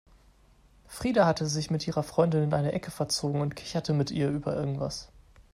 Frida hatte sich mit ihrer Freundin in eine Ecke verzogen und kicherte mit ihr über irgendwas.